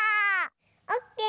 オッケー！